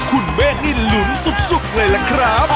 คุณเมฆนี่หลุนสุกเลยล่ะครับ